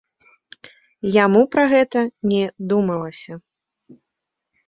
Яму пра гэта не думалася.